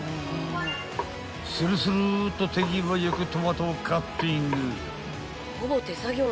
［するするっと手際良くトマトをカッティング］